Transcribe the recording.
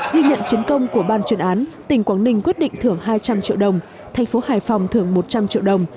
ghi nhận chiến công của ban chuyên án tỉnh quảng ninh quyết định thưởng hai trăm linh triệu đồng thành phố hải phòng thưởng một trăm linh triệu đồng